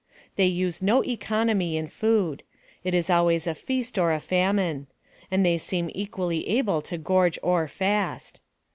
They use no economy in food. It is always a feast or a famine; and they seem equally able to gorge or fast.